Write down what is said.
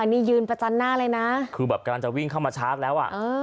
นี่ยืนประจันหน้าเลยนะคือแบบกำลังจะวิ่งเข้ามาชาร์จแล้วอ่ะ